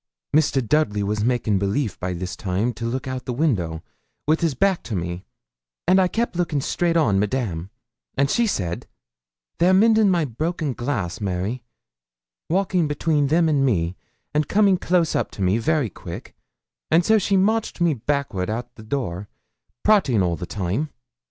'Mr. Dudley was making belief be this time to look out at window, wi' his back to me, and I kept looking straight on Madame, and she said, "They're mendin' my broken glass, Mary," walking between them and me, and coming close up to me very quick; and so she marched me backward out o' the door, prating all the time.